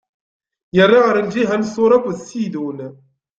Irra ɣer lǧiha n Ṣur akked Ṣidun.